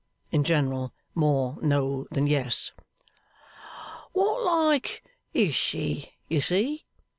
In general, more no than yes. 'What like is she, you see?